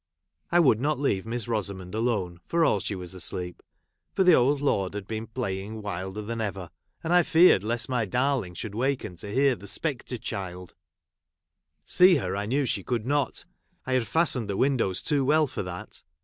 I would not leave Miss 1 Rosamond alone, for all she was asleep — for j the old lord liad been playing wilder than 1 ever — and I feared lest my darling should waken to hear the spectre child ; see her I knew • she could not, I had fastened the 1 v/indows too well for that.